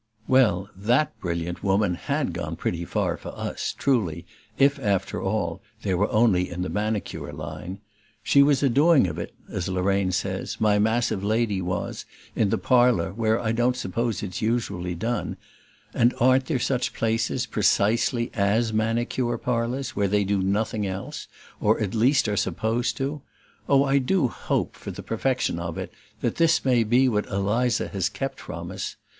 Well, that brilliant woman HAD gone pretty far for us, truly, if, after all, they were only in the manicure line. She was a doing of it, as Lorraine says, my massive lady was, in the "parlor" where I don't suppose it's usually done; and aren't there such places, precisely, AS Manicure Parlors, where they do nothing else, or at least are supposed to? Oh, I do hope, for the perfection of it, that this may be what Eliza has kept from us!